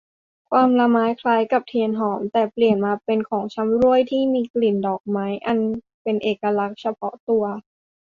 ความหมายคล้ายกับเทียนหอม แต่เปลี่ยนมาเป็นของชำร่วยที่มีกลิ่นดอกไม้อันเป็นเอกลักษณ์เฉพาะตัว